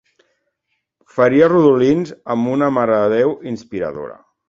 Faria rodolins amb una marededéu inspiradora.